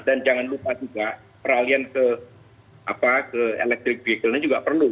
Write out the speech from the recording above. dan jangan lupa juga peralihan ke electric vehicle juga perlu